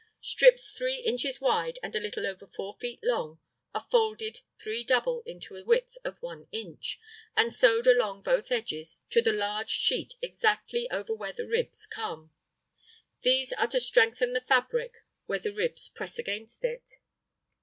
Strips 3 inches wide and a little over 4 feet long are folded "three double" into a width of 1 inch, and sewed along both edges to the large sheet exactly over where the ribs come. These are to strengthen the fabric where the ribs press against it.